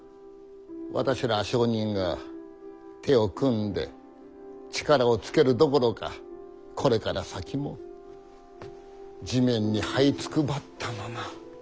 私ら商人が手を組んで力をつけるどころかこれから先も地面にはいつくばったまま。